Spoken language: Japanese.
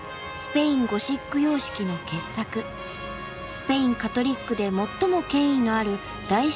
スペインカトリックで最も権威のある大司教座が置かれる。